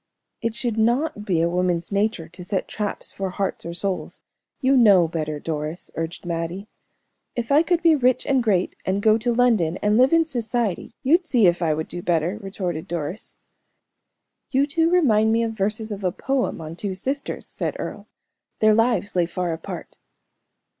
"It should not be a woman's nature to set traps for hearts or souls. You know better, Doris," urged Mattie. "If I could be rich and great, and go to London, and live in society, you'd see if I would do better," retorted Doris. "You two remind me of verses of a poem on two sisters," said Earle. "Their lives lay far apart.